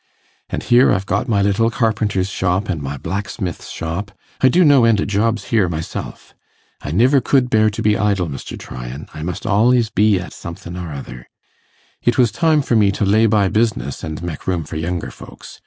An' here I've got my little carpenter's shop an' my blacksmith's shop; I do no end o' jobs here myself. I niver could bear to be idle, Mr. Tryan; I must al'ys be at somethin' or other. It was time for me to lay by business an mek room for younger folks.